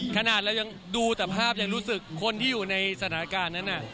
ขนาดเรายังดูแต่ภาพยังรู้สึกคนที่อยู่ในสถานการณ์นั้น